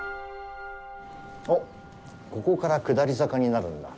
おっ、ここから下り坂になるんだ。